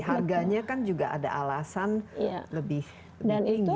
harganya kan juga ada alasan lebih tinggi